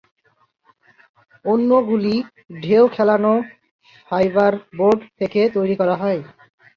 অন্যগুলি ঢেউ খেলানো ফাইবারবোর্ড থেকে তৈরি করা হয়।